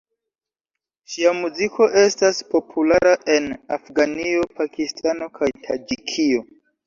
Ŝia muziko estas populara en Afganio, Pakistano kaj Taĝikio.